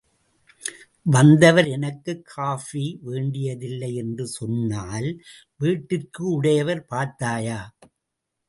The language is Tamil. வந்தவர் எனக்குக் காஃபி வேண்டியதில்லை என்று சொன்னால், வீட்டிற்கு உடையவர், பார்த்தாயா.